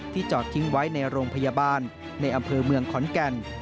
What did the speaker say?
จอดทิ้งไว้ในโรงพยาบาลในอำเภอเมืองขอนแก่น